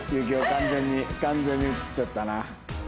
完全に完全に移っちゃったな。